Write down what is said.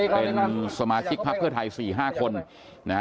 เป็นสมาชิกภาพเพื่อไทย๔๕คน